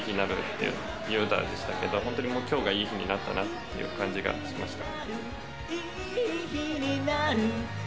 っていう感じがしました。